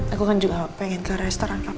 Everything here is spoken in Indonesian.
aku kan juga pengen ke restoran